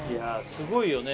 すごいよね